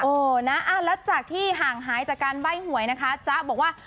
เออนะแล้วจากที่ห่างหายจากการใบ้หวยนะคะจ๊ะบอกว่า